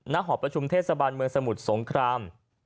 หอประชุมเทศบาลเมืองสมุทรสงคราม